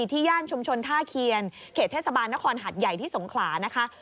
ย่านชุมชนท่าเคียนเขตเทศบาลนครหัดใหญ่ที่สงขลานะคะ